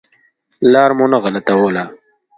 لار مو نه غلطوله.